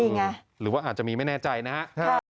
นี่ไงหรือว่าอาจจะมีไม่แน่ใจนะฮะ